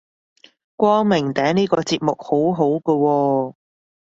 光明頂呢個節目好好個喎